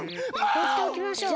ほうっておきましょう。